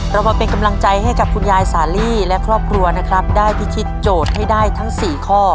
เรามาเป็นกำลังใจให้กับคุณยายสาลีและครอบครัวนะครับได้พิชิตโจทย์ให้ได้ทั้ง๔ข้อ